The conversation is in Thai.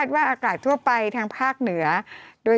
จำกัดจำนวนได้ไม่เกิน๕๐๐คนนะคะ